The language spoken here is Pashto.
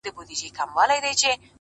o زما په ژوند کي د وختونو د بلا ياري ده؛